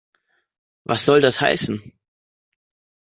Was soll das heißen?